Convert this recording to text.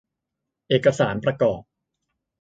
เอกสารประกอบ